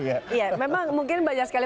iya memang mungkin banyak sekali